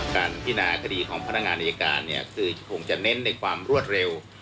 พินาคดีของพนักงานอายการเนี่ยคือคงจะเน้นในความรวดเร็ว